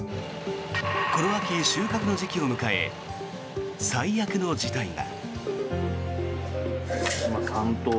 この秋、収穫の時期を迎え最悪の事態が。